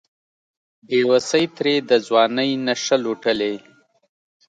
بیوسۍ ترې د ځوانۍ نشه لوټلې